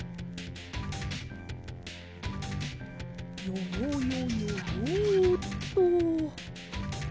よよよよよっと。